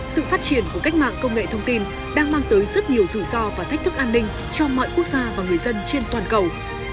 sự phát triển của cách mạng công nghệ thông tin đang mang tới rất nhiều rủi ro và thách thức an ninh cho mọi quốc gia và người dân trên toàn cầu